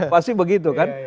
pasti begitu kan